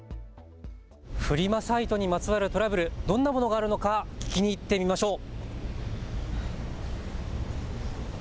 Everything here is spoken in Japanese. フリマサイトにまつわるトラブル、どんなものがあるのか聞きに行ってみましょう。